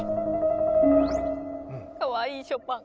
かわいいショパン。